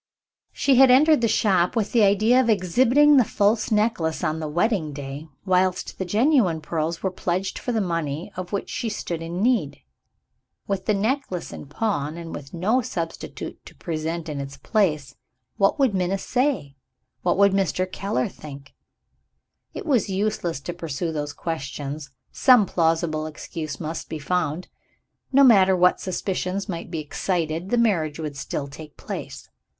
She had entered the shop with the idea of exhibiting the false necklace on the wedding day, whilst the genuine pearls were pledged for the money of which she stood in need. With the necklace in pawn, and with no substitute to present in its place, what would Minna say, what would Mr. Keller think? It was useless to pursue those questions some plausible excuse must be found. No matter what suspicions might be excited, the marriage would still take place.